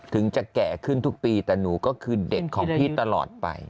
ถึงจะแก่ขึ้นทุกปีแต่หนูก็คือเด็กของพี่ตลอดไป